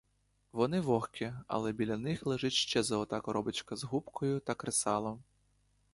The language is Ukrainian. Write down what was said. Вони вогкі, але біля них лежить ще золота коробочка з губкою та кресалом.